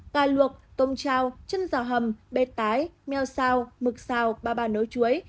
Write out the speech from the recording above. gà luộc tôm trao chân giò hầm bê tái meo xào mực xào ba ba nấu chuối